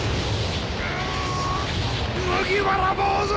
麦わら坊主！